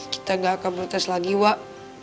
kita gak akan protes lagi wak